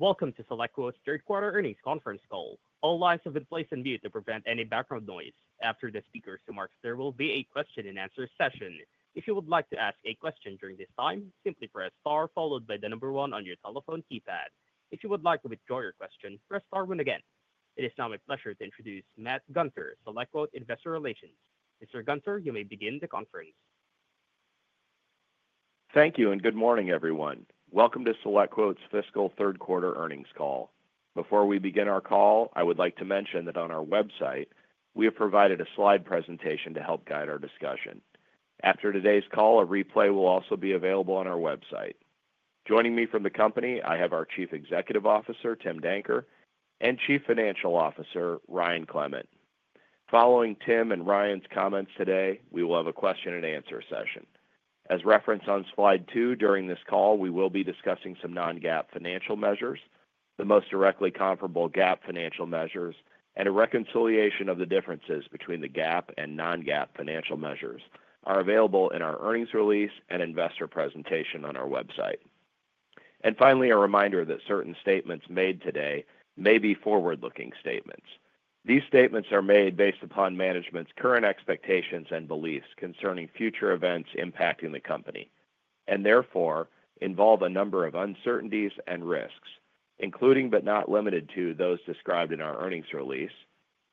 Welcome to SelectQuote's third-quarter earnings conference call. All lines have been placed in view to prevent any background noise. After the speakers remark, there will be a question-and-answer session. If you would like to ask a question during this time, simply press star followed by the number one on your telephone keypad. If you would like to withdraw your question, press star one again. It is now my pleasure to introduce Matt Gunter, SelectQuote Investor Relations. Mr. Gunter, you may begin the conference. Thank you and good morning, everyone. Welcome to SelectQuote's fiscal third-quarter earnings call. Before we begin our call, I would like to mention that on our website, we have provided a slide presentation to help guide our discussion. After today's call, a replay will also be available on our website. Joining me from the company, I have our Chief Executive Officer, Tim Danker, and Chief Financial Officer, Ryan Clement. Following Tim and Ryan's comments today, we will have a question-and-answer session. As referenced on slide two, during this call, we will be discussing some non-GAAP financial measures, the most directly comparable GAAP financial measures, and a reconciliation of the differences between the GAAP and non-GAAP financial measures are available in our earnings release and investor presentation on our website. Finally, a reminder that certain statements made today may be forward-looking statements. These statements are made based upon management's current expectations and beliefs concerning future events impacting the company, and therefore involve a number of uncertainties and risks, including but not limited to those described in our earnings release,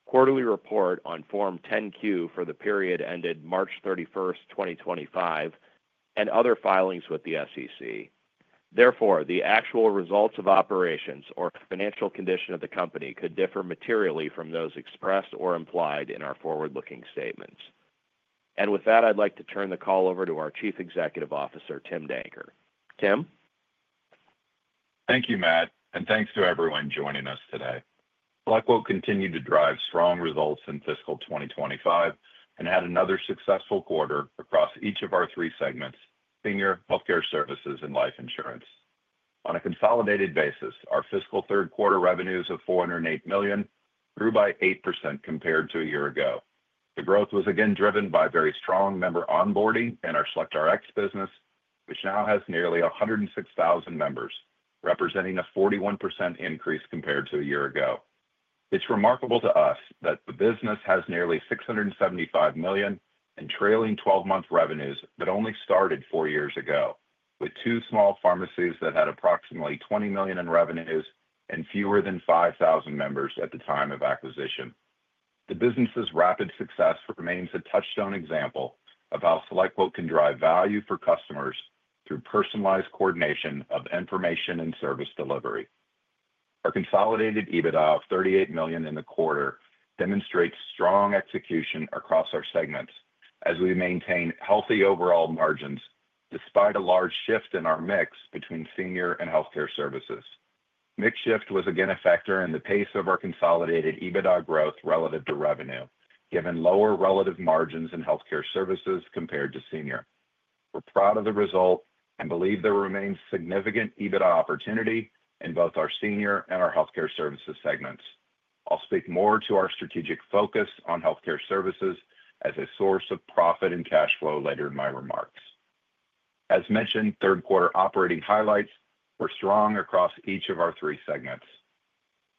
quarterly report on Form 10Q for the period ended March 31, 2025, and other filings with the SEC. Therefore, the actual results of operations or financial condition of the company could differ materially from those expressed or implied in our forward-looking statements. With that, I'd like to turn the call over to our Chief Executive Officer, Tim Danker. Tim? Thank you, Matt, and thanks to everyone joining us today. SelectQuote continued to drive strong results in fiscal 2025 and had another successful quarter across each of our three segments: senior, healthcare services, and life insurance. On a consolidated basis, our fiscal third-quarter revenues of $408 million grew by 8% compared to a year ago. The growth was again driven by very strong member onboarding in our SelectRx business, which now has nearly 106,000 members, representing a 41% increase compared to a year ago. It's remarkable to us that the business has nearly $675 million in trailing 12-month revenues that only started four years ago, with two small pharmacies that had approximately $20 million in revenues and fewer than 5,000 members at the time of acquisition. The business's rapid success remains a touchstone example of how SelectQuote can drive value for customers through personalized coordination of information and service delivery. Our consolidated EBITDA of $38 million in the quarter demonstrates strong execution across our segments as we maintain healthy overall margins despite a large shift in our mix between senior and healthcare services. Mix shift was again a factor in the pace of our consolidated EBITDA growth relative to revenue, given lower relative margins in healthcare services compared to senior. We're proud of the result and believe there remains significant EBITDA opportunity in both our senior and our healthcare services segments. I'll speak more to our strategic focus on healthcare services as a source of profit and cash flow later in my remarks. As mentioned, third-quarter operating highlights were strong across each of our three segments.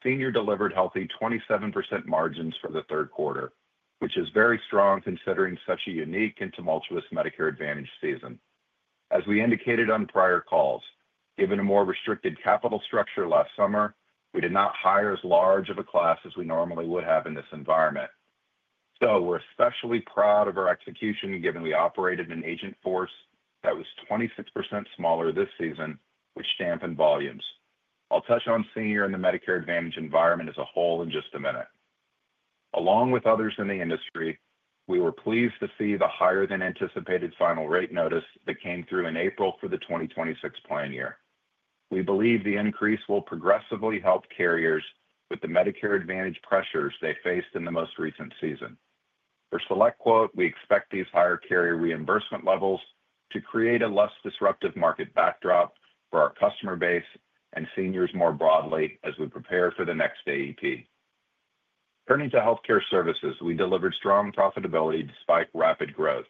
Senior delivered healthy 27% margins for the third quarter, which is very strong considering such a unique and tumultuous Medicare Advantage season. As we indicated on prior calls, given a more restricted capital structure last summer, we did not hire as large of a class as we normally would have in this environment. We are especially proud of our execution, given we operated an agent force that was 26% smaller this season, which stamped in volumes. I will touch on senior in the Medicare Advantage environment as a whole in just a minute. Along with others in the industry, we were pleased to see the higher-than-anticipated final rate notice that came through in April for the 2026 plan year. We believe the increase will progressively help carriers with the Medicare Advantage pressures they faced in the most recent season. For SelectQuote, we expect these higher carrier reimbursement levels to create a less disruptive market backdrop for our customer base and seniors more broadly as we prepare for the next AEP. Turning to healthcare services, we delivered strong profitability despite rapid growth.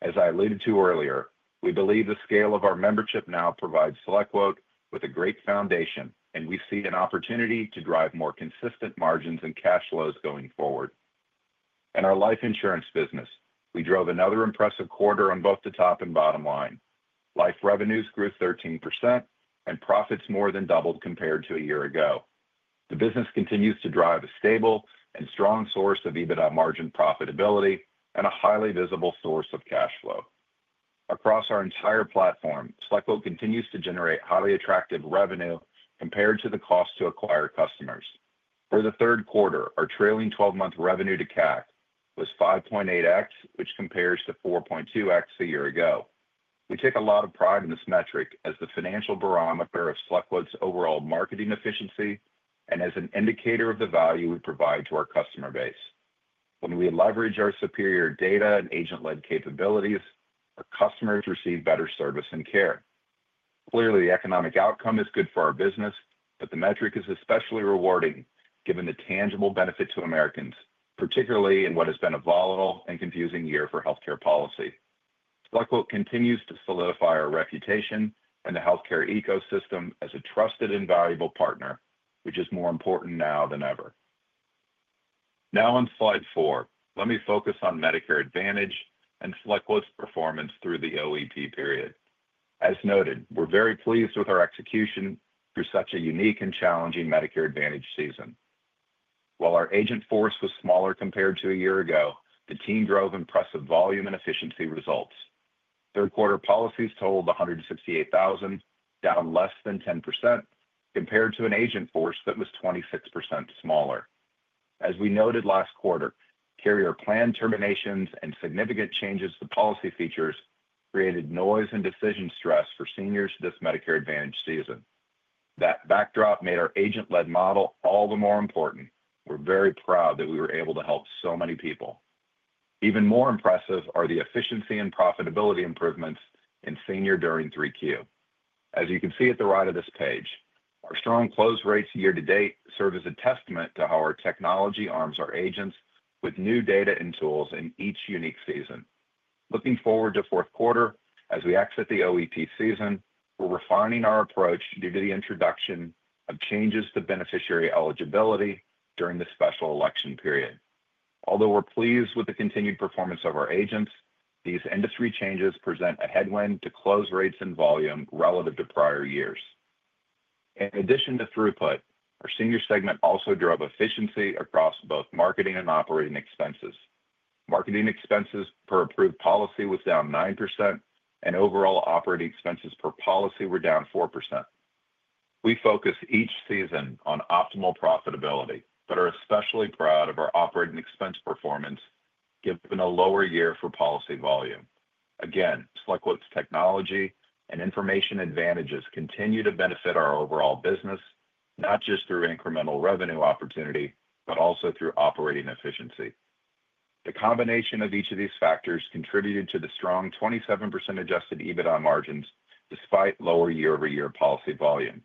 As I alluded to earlier, we believe the scale of our membership now provides SelectQuote with a great foundation, and we see an opportunity to drive more consistent margins and cash flows going forward. In our life insurance business, we drove another impressive quarter on both the top and bottom line. Life revenues grew 13%, and profits more than doubled compared to a year ago. The business continues to drive a stable and strong source of EBITDA margin profitability and a highly visible source of cash flow. Across our entire platform, SelectQuote continues to generate highly attractive revenue compared to the cost to acquire customers. For the third quarter, our trailing 12-month revenue to CAC was 5.8x, which compares to 4.2x a year ago. We take a lot of pride in this metric as the financial barometer of SelectQuote's overall marketing efficiency and as an indicator of the value we provide to our customer base. When we leverage our superior data and agent-led capabilities, our customers receive better service and care. Clearly, the economic outcome is good for our business, but the metric is especially rewarding given the tangible benefit to Americans, particularly in what has been a volatile and confusing year for healthcare policy. SelectQuote continues to solidify our reputation and the healthcare ecosystem as a trusted and valuable partner, which is more important now than ever. Now on slide four, let me focus on Medicare Advantage and SelectQuote's performance through the OEP period. As noted, we're very pleased with our execution through such a unique and challenging Medicare Advantage season. While our agent force was smaller compared to a year ago, the team drove impressive volume and efficiency results. Third-quarter policies totaled $168,000, down less than 10% compared to an agent force that was 26% smaller. As we noted last quarter, carrier plan terminations and significant changes to policy features created noise and decision stress for seniors this Medicare Advantage season. That backdrop made our agent-led model all the more important. We're very proud that we were able to help so many people. Even more impressive are the efficiency and profitability improvements in senior during 3Q. As you can see at the right of this page, our strong close rates year-to-date serve as a testament to how our technology arms our agents with new data and tools in each unique season. Looking forward to fourth quarter, as we exit the OEP season, we're refining our approach due to the introduction of changes to beneficiary eligibility during the special election period. Although we're pleased with the continued performance of our agents, these industry changes present a headwind to close rates and volume relative to prior years. In addition to throughput, our senior segment also drove efficiency across both marketing and operating expenses. Marketing expenses per approved policy was down 9%, and overall operating expenses per policy were down 4%. We focus each season on optimal profitability, but are especially proud of our operating expense performance given a lower year for policy volume. Again, SelectQuote's technology and information advantages continue to benefit our overall business, not just through incremental revenue opportunity, but also through operating efficiency. The combination of each of these factors contributed to the strong 27% adjusted EBITDA margins despite lower year-over-year policy volume.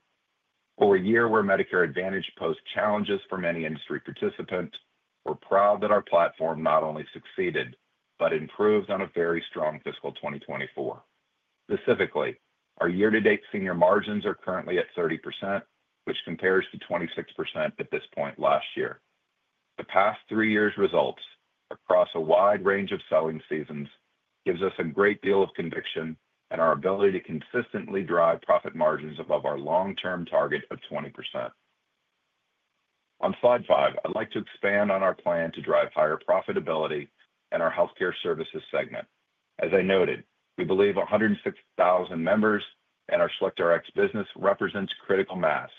For a year where Medicare Advantage posed challenges for many industry participants, we're proud that our platform not only succeeded but improved on a very strong fiscal 2024. Specifically, our year-to-date senior margins are currently at 30%, which compares to 26% at this point last year. The past three years' results across a wide range of selling seasons give us a great deal of conviction in our ability to consistently drive profit margins above our long-term target of 20%. On slide five, I'd like to expand on our plan to drive higher profitability in our healthcare services segment. As I noted, we believe 106,000 members in our SelectRx business represents critical mass.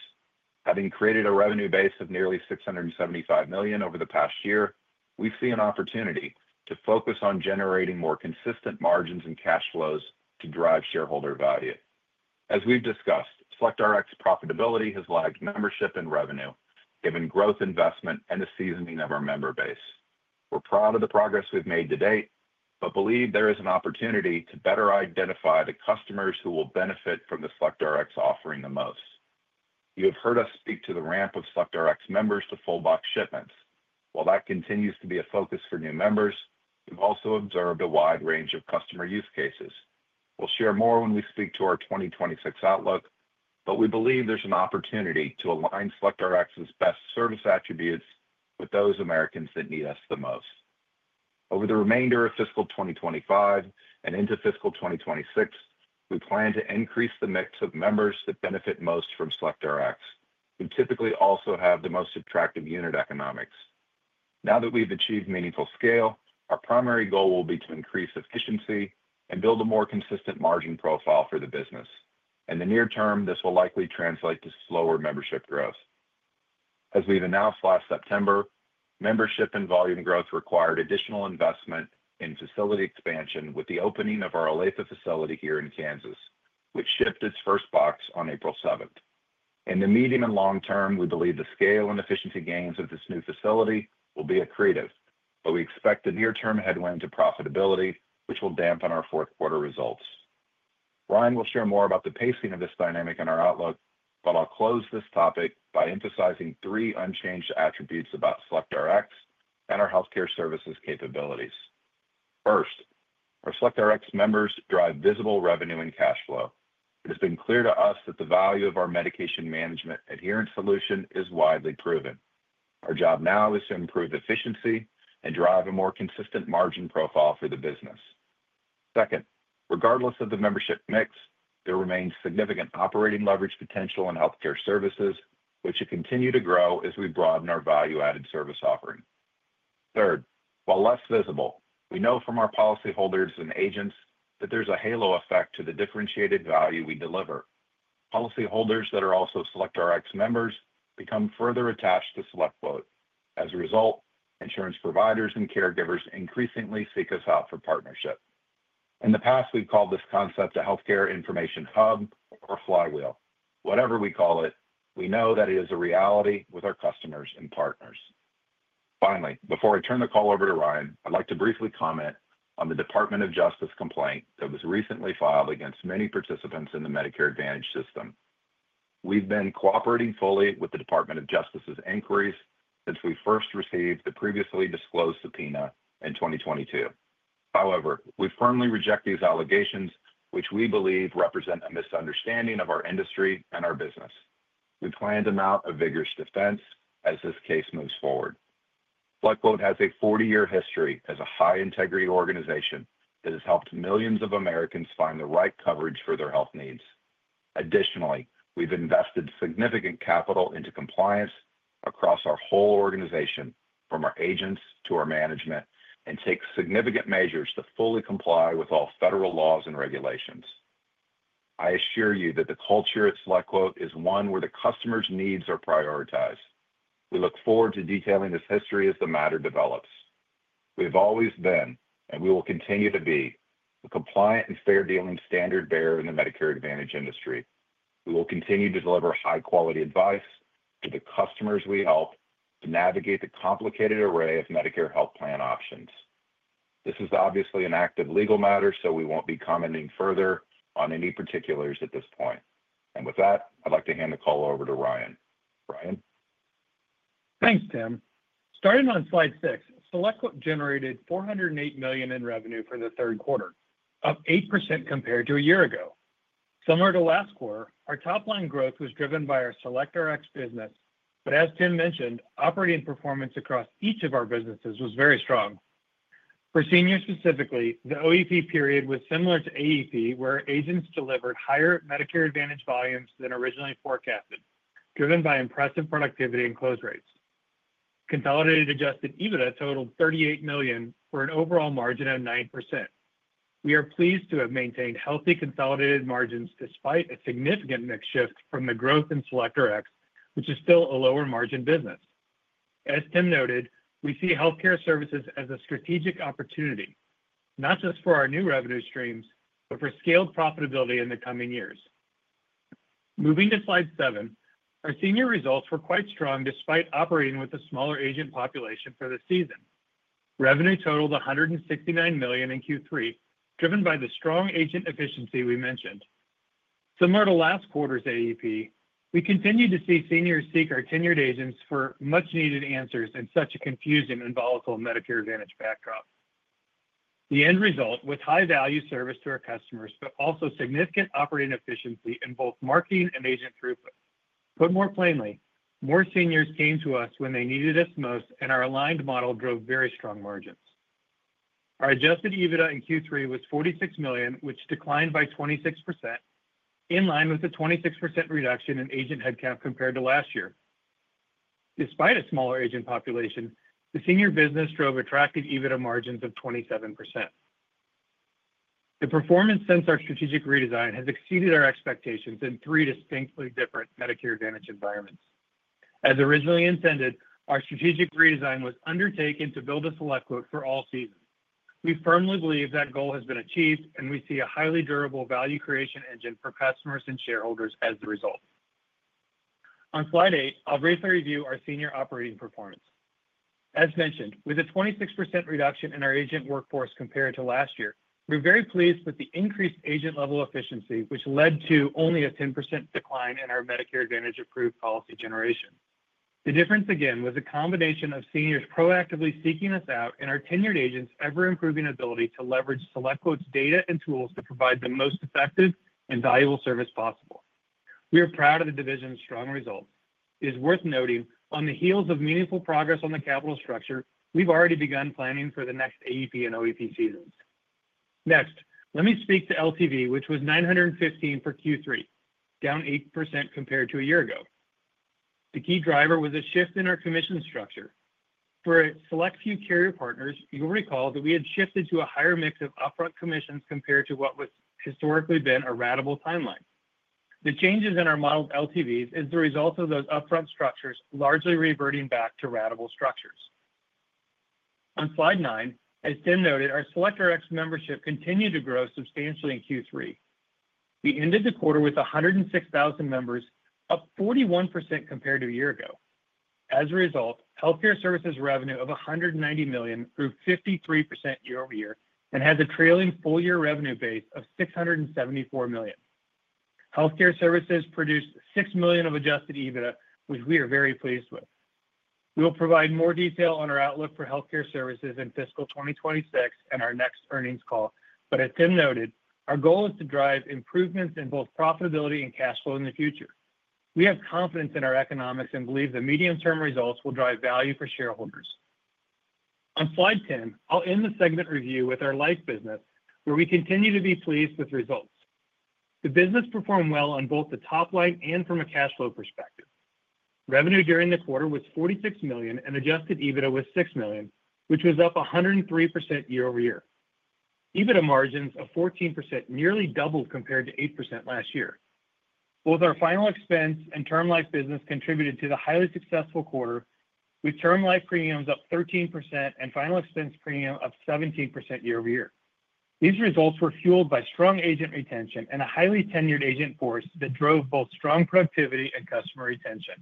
Having created a revenue base of nearly $675 million over the past year, we see an opportunity to focus on generating more consistent margins and cash flows to drive shareholder value. As we've discussed, SelectRx profitability has lagged membership and revenue, given growth, investment, and the seasoning of our member base. We're proud of the progress we've made to date, but believe there is an opportunity to better identify the customers who will benefit from the SelectRx offering the most. You have heard us speak to the ramp of SelectRx members to full-box shipments. While that continues to be a focus for new members, we've also observed a wide range of customer use cases. We'll share more when we speak to our 2026 outlook, but we believe there's an opportunity to align SelectRx's best service attributes with those Americans that need us the most. Over the remainder of fiscal 2025 and into fiscal 2026, we plan to increase the mix of members that benefit most from SelectRx, who typically also have the most attractive unit economics. Now that we've achieved meaningful scale, our primary goal will be to increase efficiency and build a more consistent margin profile for the business. In the near term, this will likely translate to slower membership growth. As we've announced last September, membership and volume growth required additional investment in facility expansion with the opening of our Olathe facility here in Kansas, which shipped its first box on April 7th. In the medium and long term, we believe the scale and efficiency gains of this new facility will be accretive, but we expect the near-term headwind to profitability, which will dampen our fourth-quarter results. Ryan will share more about the pacing of this dynamic in our outlook, but I'll close this topic by emphasizing three unchanged attributes about SelectRx and our healthcare services capabilities. First, our SelectRx members drive visible revenue and cash flow. It has been clear to us that the value of our medication management adherence solution is widely proven. Our job now is to improve efficiency and drive a more consistent margin profile for the business. Second, regardless of the membership mix, there remains significant operating leverage potential in healthcare services, which should continue to grow as we broaden our value-added service offering. Third, while less visible, we know from our policyholders and agents that there's a halo effect to the differentiated value we deliver. Policyholders that are also SelectRx members become further attached to SelectQuote. As a result, insurance providers and caregivers increasingly seek us out for partnership. In the past, we've called this concept a healthcare information hub or flywheel. Whatever we call it, we know that it is a reality with our customers and partners. Finally, before I turn the call over to Ryan, I'd like to briefly comment on the Department of Justice complaint that was recently filed against many participants in the Medicare Advantage system. We've been cooperating fully with the Department of Justice's inquiries since we first received the previously disclosed subpoena in 2022. However, we firmly reject these allegations, which we believe represent a misunderstanding of our industry and our business. We plan to mount a vigorous defense as this case moves forward. SelectQuote has a 40-year history as a high-integrity organization that has helped millions of Americans find the right coverage for their health needs. Additionally, we've invested significant capital into compliance across our whole organization, from our agents to our management, and take significant measures to fully comply with all federal laws and regulations. I assure you that the culture at SelectQuote is one where the customer's needs are prioritized. We look forward to detailing this history as the matter develops. We've always been, and we will continue to be, a compliant and fair dealing standard bearer in the Medicare Advantage industry. We will continue to deliver high-quality advice to the customers we help to navigate the complicated array of Medicare health plan options. This is obviously an active legal matter, so we won't be commenting further on any particulars at this point. With that, I'd like to hand the call over to Ryan. Ryan? Thanks, Tim. Starting on slide six, SelectQuote generated $408 million in revenue for the third quarter, up 8% compared to a year ago. Similar to last quarter, our top-line growth was driven by our SelectRx business, but as Tim mentioned, operating performance across each of our businesses was very strong. For seniors specifically, the OEP period was similar to AEP, where agents delivered higher Medicare Advantage volumes than originally forecasted, driven by impressive productivity and close rates. Consolidated adjusted EBITDA totaled $38 million for an overall margin of 9%. We are pleased to have maintained healthy consolidated margins despite a significant mix shift from the growth in SelectRx, which is still a lower-margin business. As Tim noted, we see healthcare services as a strategic opportunity, not just for our new revenue streams, but for scaled profitability in the coming years. Moving to slide seven, our senior results were quite strong despite operating with a smaller agent population for the season. Revenue totaled $169 million in Q3, driven by the strong agent efficiency we mentioned. Similar to last quarter's AEP, we continue to see seniors seek our tenured agents for much-needed answers in such a confusing and volatile Medicare Advantage backdrop. The end result, with high-value service to our customers, but also significant operating efficiency in both marketing and agent throughput. Put more plainly, more seniors came to us when they needed us most, and our aligned model drove very strong margins. Our adjusted EBITDA in Q3 was $46 million, which declined by 26%, in line with a 26% reduction in agent headcount compared to last year. Despite a smaller agent population, the senior business drove attractive EBITDA margins of 27%. The performance since our strategic redesign has exceeded our expectations in three distinctly different Medicare Advantage environments. As originally intended, our strategic redesign was undertaken to build a SelectQuote for all seasons. We firmly believe that goal has been achieved, and we see a highly durable value creation engine for customers and shareholders as the result. On slide eight, I'll briefly review our senior operating performance. As mentioned, with a 26% reduction in our agent workforce compared to last year, we're very pleased with the increased agent-level efficiency, which led to only a 10% decline in our Medicare Advantage approved policy generation. The difference, again, was a combination of seniors proactively seeking us out and our tenured agents' ever-improving ability to leverage SelectQuote's data and tools to provide the most effective and valuable service possible. We are proud of the division's strong results. It is worth noting, on the heels of meaningful progress on the capital structure, we've already begun planning for the next AEP and OEP seasons. Next, let me speak to LTV, which was $915 per Q3, down 8% compared to a year ago. The key driver was a shift in our commission structure. For select few carrier partners, you'll recall that we had shifted to a higher mix of upfront commissions compared to what has historically been a ratable timeline. The changes in our modeled LTVs are the result of those upfront structures largely reverting back to ratable structures. On slide nine, as Tim noted, our SelectRx membership continued to grow substantially in Q3. We ended the quarter with 106,000 members, up 41% compared to a year ago. As a result, healthcare services revenue of $190 million grew 53% year-over-year and has a trailing full-year revenue base of $674 million. Healthcare services produced $6 million of adjusted EBITDA, which we are very pleased with. We will provide more detail on our outlook for healthcare services in fiscal 2026 and our next earnings call, but as Tim noted, our goal is to drive improvements in both profitability and cash flow in the future. We have confidence in our economics and believe the medium-term results will drive value for shareholders. On slide 10, I'll end the segment review with our life business, where we continue to be pleased with results. The business performed well on both the top line and from a cash flow perspective. Revenue during the quarter was $46 million, and adjusted EBITDA was $6 million, which was up 103% year-over-year. EBITDA margins of 14% nearly doubled compared to 8% last year. Both our Final Expense and Term Life business contributed to the highly successful quarter, with Term Life premiums up 13% and Final Expense premium up 17% year-over-year. These results were fueled by strong agent retention and a highly tenured agent force that drove both strong productivity and customer retention.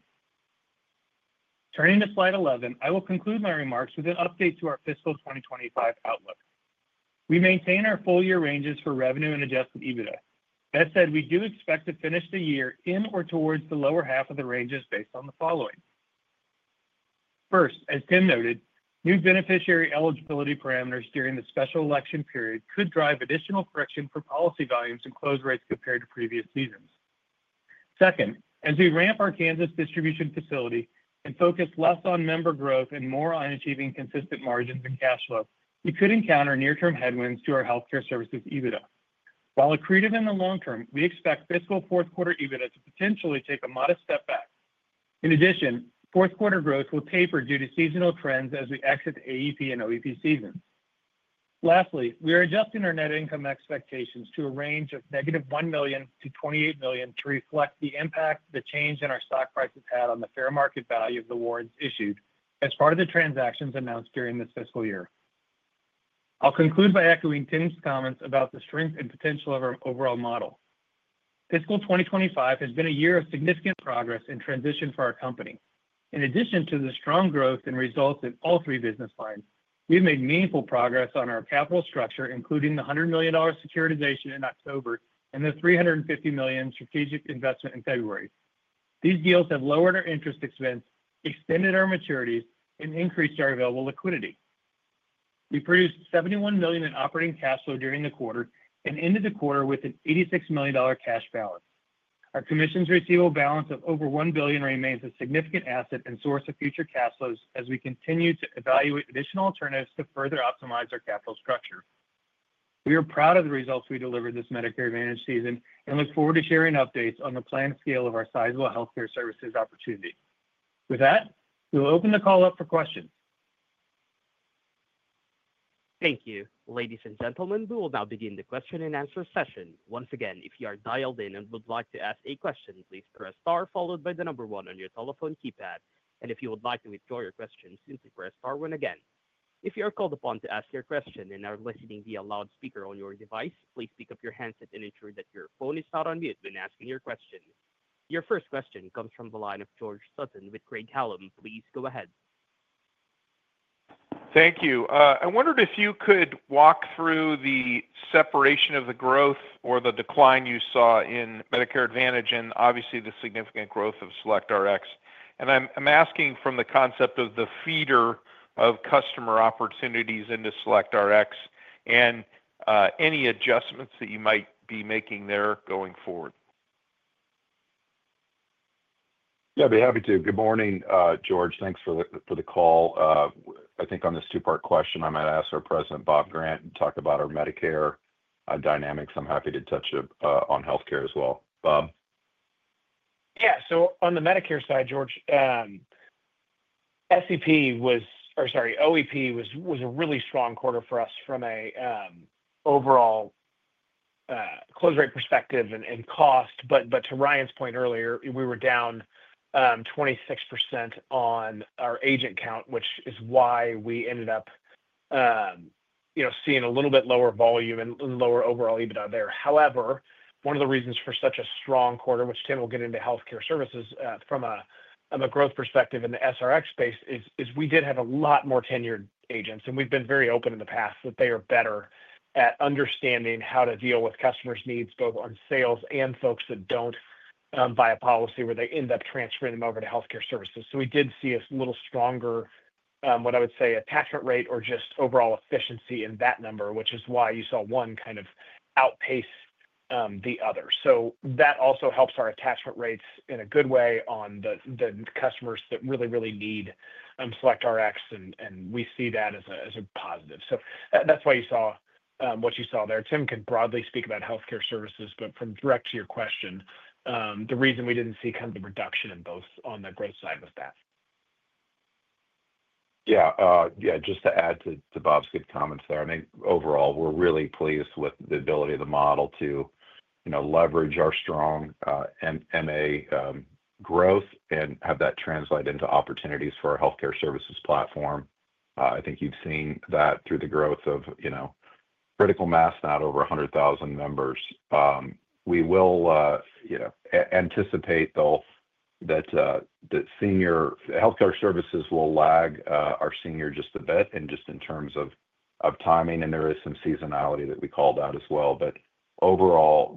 Turning to slide 11, I will conclude my remarks with an update to our fiscal 2025 outlook. We maintain our full-year ranges for revenue and Adjusted EBITDA. That said, we do expect to finish the year in or towards the lower half of the ranges based on the following. First, as Tim noted, new beneficiary eligibility parameters during the Special Election Period could drive additional correction for policy volumes and close rates compared to previous seasons. Second, as we ramp our Kansas distribution facility and focus less on member growth and more on achieving consistent margins and cash flow, we could encounter near-term headwinds to our healthcare services EBITDA. While accretive in the long term, we expect fiscal fourth quarter EBITDA to potentially take a modest step back. In addition, fourth quarter growth will taper due to seasonal trends as we exit the AEP and OEP seasons. Lastly, we are adjusting our net income expectations to a range of negative $1 million-$28 million to reflect the impact the change in our stock prices had on the fair market value of the awards issued as part of the transactions announced during this fiscal year. I'll conclude by echoing Tim's comments about the strength and potential of our overall model. Fiscal 2025 has been a year of significant progress and transition for our company. In addition to the strong growth and results in all three business lines, we've made meaningful progress on our capital structure, including the $100 million securitization in October and the $350 million strategic investment in February. These deals have lowered our interest expense, extended our maturities, and increased our available liquidity. We produced $71 million in operating cash flow during the quarter and ended the quarter with an $86 million cash balance. Our commissions receivable balance of over $1 billion remains a significant asset and source of future cash flows as we continue to evaluate additional alternatives to further optimize our capital structure. We are proud of the results we delivered this Medicare Advantage season and look forward to sharing updates on the planned scale of our sizable healthcare services opportunity. With that, we will open the call up for questions. Thank you. Ladies and gentlemen, we will now begin the question and answer session. Once again, if you are dialed in and would like to ask a question, please press star followed by the number one on your telephone keypad. If you would like to withdraw your question, simply press star one again. If you are called upon to ask your question and are listening via loudspeaker on your device, please pick up your handset and ensure that your phone is not on mute when asking your question. Your first question comes from the line of George Sutton with Craig-Hallum. Please go ahead. Thank you. I wondered if you could walk through the separation of the growth or the decline you saw in Medicare Advantage and obviously the significant growth of SelectRx. I'm asking from the concept of the feeder of customer opportunities into SelectRx and any adjustments that you might be making there going forward? Yeah, I'd be happy to. Good morning, George. Thanks for the call. I think on this two-part question, I might ask our President, Bob Grant, and talk about our Medicare dynamics. I'm happy to touch on healthcare as well. Bob? Yeah. On the Medicare side, George, SEP was, or sorry, OEP was a really strong quarter for us from an overall close rate perspective and cost. To Ryan's point earlier, we were down 26% on our agent count, which is why we ended up seeing a little bit lower volume and lower overall EBITDA there. However, one of the reasons for such a strong quarter, which Tim will get into healthcare services from a growth perspective in the SRX space, is we did have a lot more tenured agents. And we've been very open in the past that they are better at understanding how to deal with customers' needs, both on sales and folks that don't buy a policy where they end up transferring them over to healthcare services. We did see a little stronger, what I would say, attachment rate or just overall efficiency in that number, which is why you saw one kind of outpace the other. That also helps our attachment rates in a good way on the customers that really, really need SelectRx. We see that as a positive. That is why you saw what you saw there. Tim can broadly speak about healthcare services, but from direct to your question, the reason we didn't see kind of the reduction in both on the growth side was that. Yeah. Just to add to Bob's good comments there, I think overall, we're really pleased with the ability of the model to leverage our strong MA growth and have that translate into opportunities for our healthcare services platform. I think you've seen that through the growth of critical mass, now over 100,000 members. We will anticipate that senior healthcare services will lag our senior just a bit in terms of timing. There is some seasonality that we called out as well. Overall,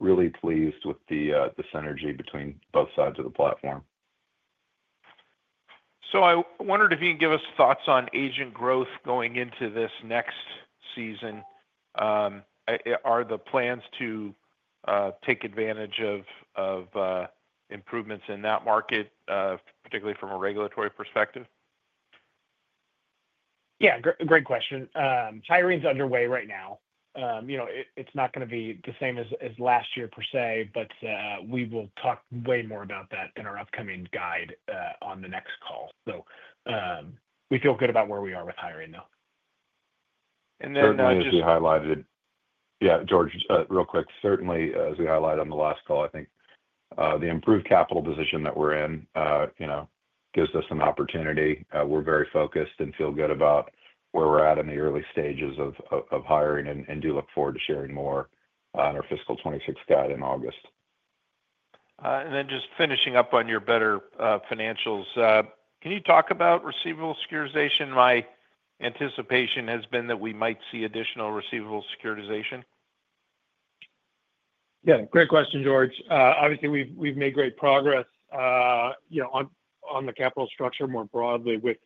really pleased with the synergy between both sides of the platform. I wondered if you can give us thoughts on agent growth going into this next season. Are the plans to take advantage of improvements in that market, particularly from a regulatory perspective? Yeah. Great question. Hiring's underway right now. It's not going to be the same as last year per se, but we will talk way more about that in our upcoming guide on the next call. We feel good about where we are with hiring now. Sure. As we highlighted, yeah, George, real quick, certainly, as we highlighted on the last call, I think the improved capital position that we're in gives us an opportunity. We're very focused and feel good about where we're at in the early stages of hiring and do look forward to sharing more on our fiscal 2026 guide in August. Just finishing up on your better financials, can you talk about receivable securitization? My anticipation has been that we might see additional receivable securitization. Yeah. Great question, George. Obviously, we've made great progress on the capital structure more broadly with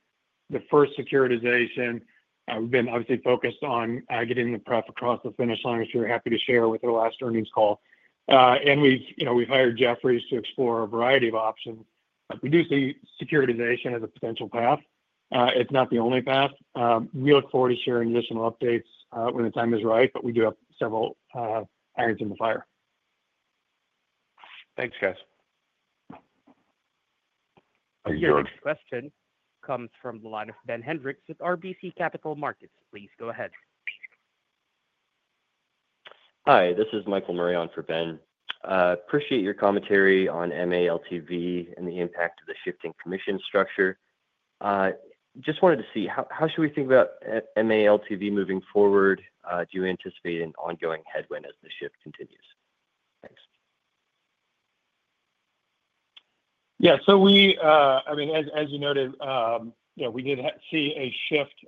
the first securitization. We've been obviously focused on getting the prep across the finish line, which we're happy to share with the last earnings call. We've hired Jefferies to explore a variety of options. We do see securitization as a potential path. It's not the only path. We look forward to sharing additional updates when the time is right, but we do have several irons in the fire. Thanks, guys. Thank you, George. Thank you. Next question comes from the line of Ben Hendricks with RBC Capital Markets. Please go ahead. Hi. This is Michael Marion for Ben. Appreciate your commentary on MA LTV and the impact of the shifting commission structure. Just wanted to see how should we think about MA LTV moving forward? Do you anticipate an ongoing headwind as the shift continues? Thanks. Yeah. So I mean, as you noted, we did see a shift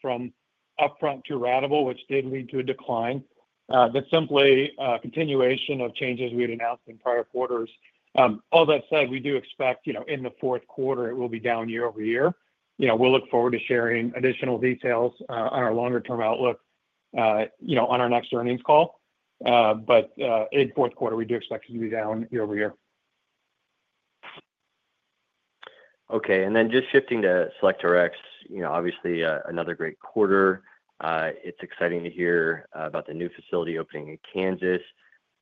from upfront to ratable, which did lead to a decline. That is simply a continuation of changes we had announced in prior quarters. All that said, we do expect in the fourth quarter, it will be down year-over-year. We will look forward to sharing additional details on our longer-term outlook on our next earnings call. In fourth quarter, we do expect it to be down year-over-year. Okay. And then just shifting to SelectRx, obviously another great quarter. It is exciting to hear about the new facility opening in Kansas.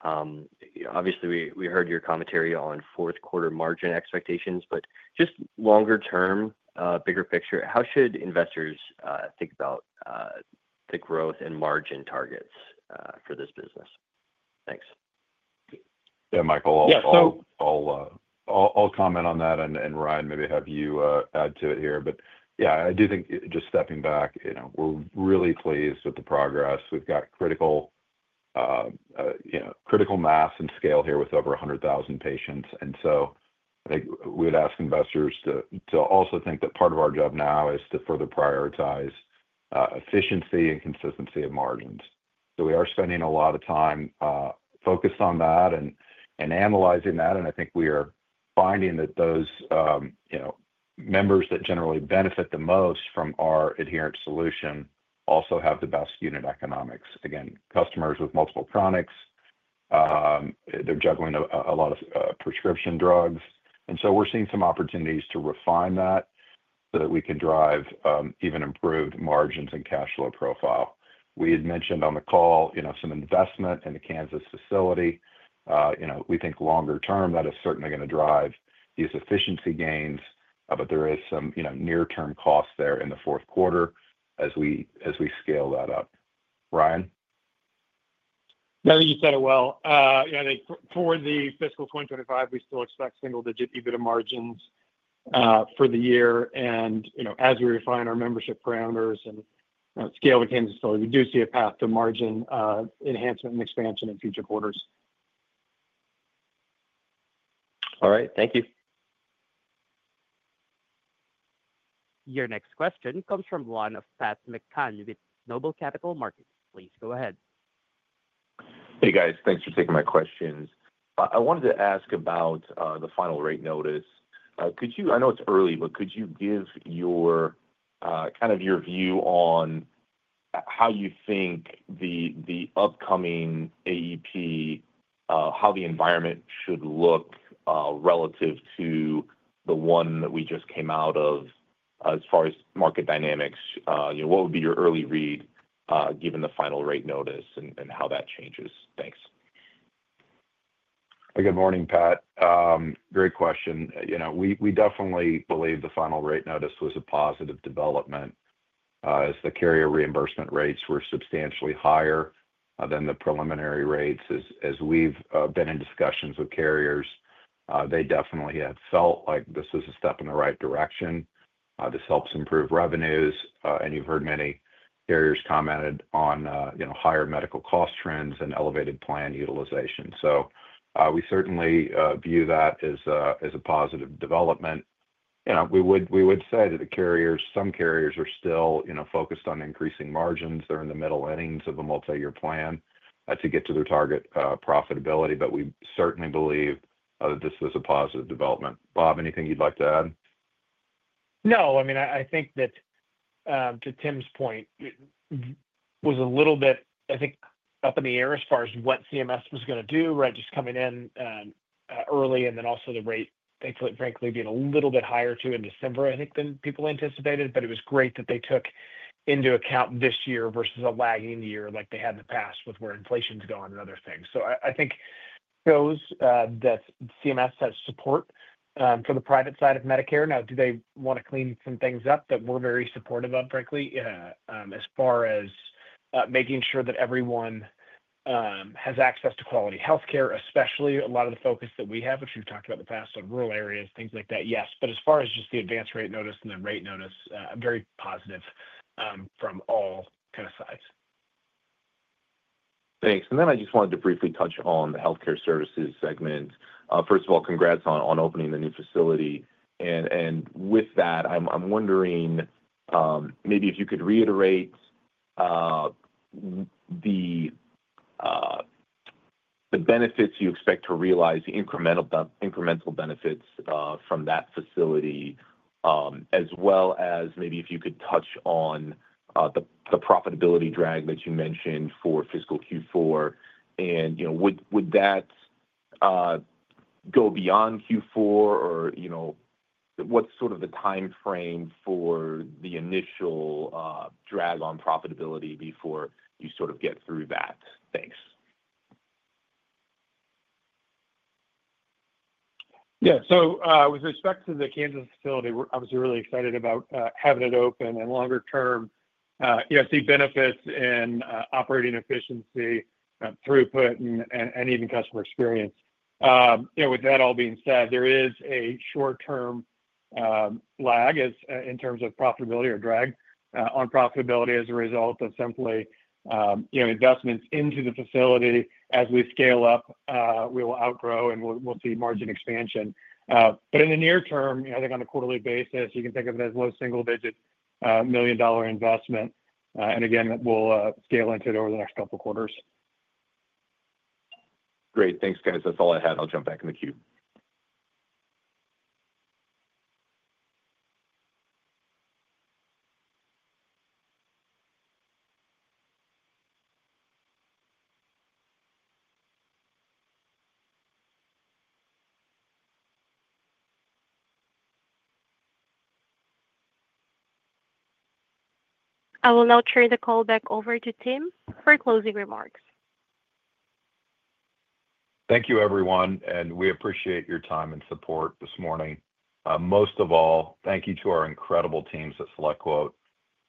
Obviously, we heard your commentary on fourth quarter margin expectations, but just longer-term, bigger picture, how should investors think about the growth and margin targets for this business? Thanks. Yeah, Michael, I'll comment on that. And Ryan, maybe have you add to it here. Yeah, I do think just stepping back, we're really pleased with the progress. We've got critical mass and scale here with over 100,000 patients. I think we would ask investors to also think that part of our job now is to further prioritize efficiency and consistency of margins. We are spending a lot of time focused on that and analyzing that. I think we are finding that those members that generally benefit the most from our adherent solution also have the best unit economics. Again, customers with multiple chronics, they're juggling a lot of prescription drugs. We're seeing some opportunities to refine that so that we can drive even improved margins and cash flow profile. We had mentioned on the call some investment in the Kansas facility. We think longer-term that is certainly going to drive these efficiency gains, but there is some near-term cost there in the fourth quarter as we scale that up. Ryan? No, you said it well. I think for the fiscal 2025, we still expect single-digit EBITDA margins for the year. As we refine our membership parameters and scale the Kansas facility, we do see a path to margin enhancement and expansion in future quarters. All right. Thank you. Your next question comes from the line of Pat McCann with Noble Capital Markets. Please go ahead. Hey, guys. Thanks for taking my questions. I wanted to ask about the final rate notice. I know it's early, but could you give kind of your view on how you think the upcoming AEP, how the environment should look relative to the one that we just came out of as far as market dynamics? What would be your early read given the final rate notice and how that changes? Thanks. Good morning, Pat. Great question. We definitely believe the final rate notice was a positive development as the carrier reimbursement rates were substantially higher than the preliminary rates. As we've been in discussions with carriers, they definitely had felt like this was a step in the right direction. This helps improve revenues. You've heard many carriers commented on higher medical cost trends and elevated plan utilization. We certainly view that as a positive development. We would say that some carriers are still focused on increasing margins. They're in the middle innings of a multi-year plan to get to their target profitability. But we certainly believe that this was a positive development. Bob, anything you'd like to add? No. I mean, I think that to Tim's point, it was a little bit, I think, up in the air as far as what CMS was going to do, right, just coming in early. And then also the rate, frankly, being a little bit higher too in December, I think, than people anticipated. But it was great that they took into account this year versus a lagging year like they had in the past with where inflation's gone and other things. So I think shows that CMS has support for the private side of Medicare. Now, do they want to clean some things up that we're very supportive of, frankly, as far as making sure that everyone has access to quality healthcare, especially a lot of the focus that we have, which we've talked about in the past on rural areas, things like that, yes. As far as just the advanced rate notice and the rate notice, very positive from all kind of sides. Thanks. I just wanted to briefly touch on the healthcare services segment. First of all, congrats on opening the new facility. With that, I'm wondering maybe if you could reiterate the benefits you expect to realize, the incremental benefits from that facility, as well as maybe if you could touch on the profitability drag that you mentioned for fiscal Q4. Would that go beyond Q4? Or what's sort of the timeframe for the initial drag on profitability before you sort of get through that? Thanks. Yeah. With respect to the Kansas facility, we're obviously really excited about having it open and longer-term. I see benefits in operating efficiency, throughput, and even customer experience. With that all being said, there is a short-term lag in terms of profitability or drag on profitability as a result of simply investments into the facility. As we scale up, we will outgrow and we'll see margin expansion. In the near term, I think on a quarterly basis, you can think of it as low single-digit million-dollar investment. Again, we'll scale into it over the next couple of quarters. Great. Thanks, guys. That's all I had. I'll jump back in the queue. I will now turn the call back over to Tim for closing remarks. Thank you, everyone. We appreciate your time and support this morning. Most of all, thank you to our incredible teams at SelectQuote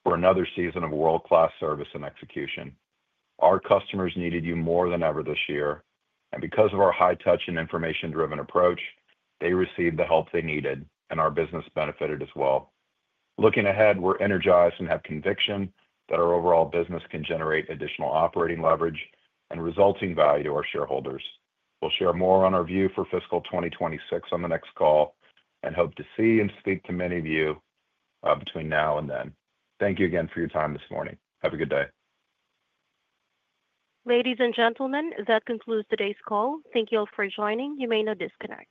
for another season of world-class service and execution. Our customers needed you more than ever this year. Because of our high-touch and information-driven approach, they received the help they needed, and our business benefited as well. Looking ahead, we're energized and have conviction that our overall business can generate additional operating leverage and resulting value to our shareholders. We'll share more on our view for fiscal 2026 on the next call and hope to see and speak to many of you between now and then. Thank you again for your time this morning. Have a good day. Ladies and gentlemen, that concludes today's call. Thank you all for joining. You may now disconnect.